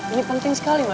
ma ini penting sekali ma